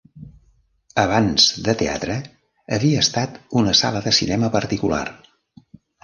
Abans de teatre havia estat una sala de cinema particular.